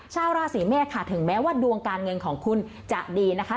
ชาวราศีเมษค่ะถึงแม้ว่าดวงการเงินของคุณจะดีนะคะ